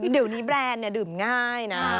เดี๋ยวนี้แบรนด์ดื่มง่ายนะ